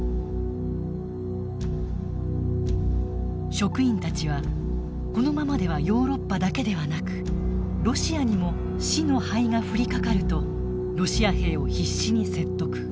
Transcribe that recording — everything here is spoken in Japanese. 職員たちはこのままではヨーロッパだけではなくロシアにも「死の灰」が降りかかるとロシア兵を必死に説得。